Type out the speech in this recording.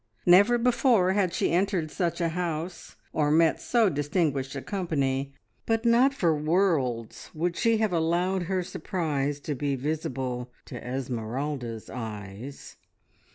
Never before had she entered such a house, or met so distinguished a company, but not for worlds would she have allowed her surprise to be visible to Esmeralda's eyes.